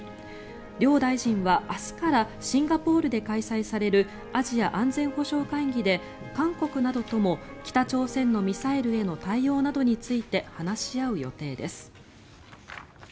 両大臣は明日からシンガポールで開催されるアジア安全保障会議で韓国などとも北朝鮮のミサイルへの対応などについて話し合う予定です。